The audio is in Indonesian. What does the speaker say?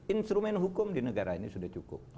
instrumen hukum di negara ini sudah cukup